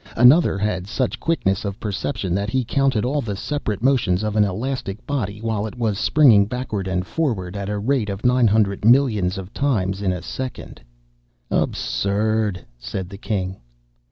(*26) Another had such quickness of perception that he counted all the separate motions of an elastic body, while it was springing backward and forward at the rate of nine hundred millions of times in a second.'" (*27) "Absurd!" said the king.